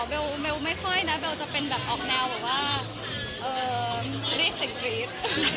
เบลหรอเบลไม่ค่อยนะเบลจะเป็นแบบออกแนวแบบว่าเออรีสต์สิงฟีส